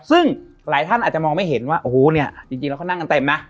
ซึ่งหลายท่านอาจจะมองไม่เห็นว่าโอ้โหเนี่ยจริงแล้วเขานั่งกันเต็มนะ